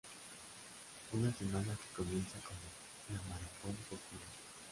Una semana que comienza con la maratón popular.